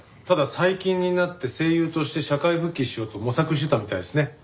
ただ最近になって声優として社会復帰しようと模索してたみたいですね。